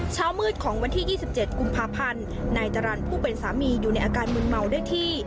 เช้ามืดของวันที่๒๗กุมภาพันธ์นายจรรย์ผู้เป็นสามีอยู่ในอาการมึนเมาได้ที่